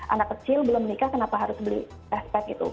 anak kecil belum menikah kenapa harus beli espek gitu